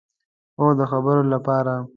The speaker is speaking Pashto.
هو، د خبرو لپاره